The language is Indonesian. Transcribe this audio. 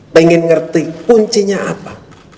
pengen ngerti kuncinya apa